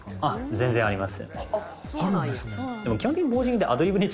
全然あります。